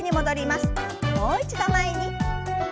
もう一度前に。